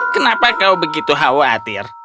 kenapa kau begitu khawatir